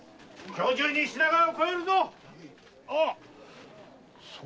今日中に品川を越えるぞ！